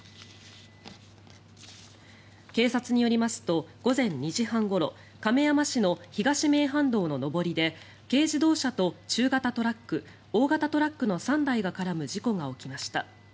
警察によりますと午前２時半ごろ亀山市の東名阪道の上りで軽自動車と中型トラック大型トラックの３台が絡む事故が起きました。